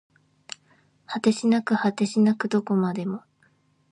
果てしなく果てしなくどこまでも